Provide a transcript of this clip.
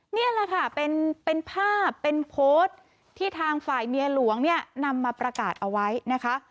นี่แหละค่ะเป็นภาพเป็นโพสต์ที่ทางฝ่ายเมียหลวงเนี่ยนำมาประกาศเอาไว้นะคะ